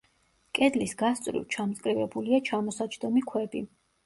კედლის გასწვრივ ჩამწკრივებულია ჩამოსაჯდომი ქვები.